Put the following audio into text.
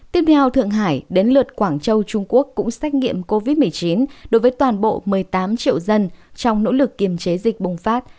tiếp theo thượng hải đến lượt quảng châu trung quốc cũng xét nghiệm covid một mươi chín đối với toàn bộ một mươi tám triệu dân trong nỗ lực kiềm chế dịch bùng phát